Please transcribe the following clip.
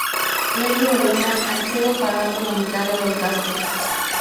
Lady Olenna accede a pagar por la mitad de los gastos.